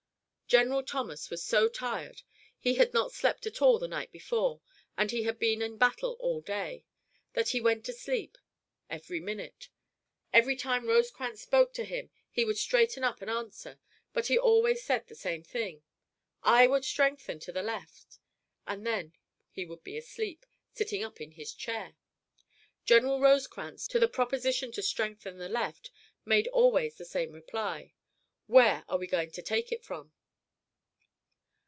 General Thomas was so tired he had not slept at all the night before, and he had been in battle all day that he went to sleep every minute. Every time Rosecrans spoke to him he would straighten up and answer, but he always said the same thing, "I would strengthen the left," and then he would be asleep, sitting up in his chair. General Rosecrans, to the proposition to strengthen the left, made always the same reply, "Where are we going to take it from?"